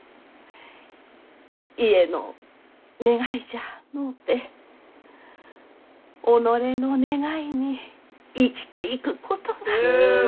家の願いじゃのうて己の願いに生きていくことが。